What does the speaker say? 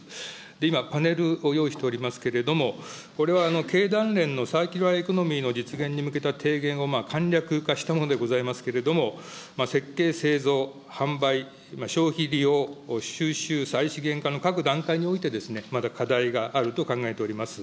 今、パネルを用意しておりますけれども、これは経団連のサーキュラーエコノミーの実現に向けた提言を簡略化したものでございますけれども、設計、製造、販売、消費利用収集・再資源化の各段階において、まだ課題があると考えております。